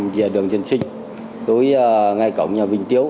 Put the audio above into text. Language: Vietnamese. trường dân sinh ngay cổng nhà vinh tiếu